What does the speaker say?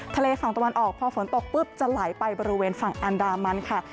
ทะเลฝั่งตะวันออกพอฝนตกปุ๊บจะไหลไปบริเวณฝั่งอันดามันค่ะ